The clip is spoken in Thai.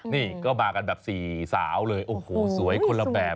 นี่ก็มากันแบบสี่สาวเลยโอ้โหสวยคนละแบบ